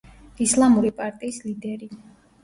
ისლამური პარტიის ლიდერი.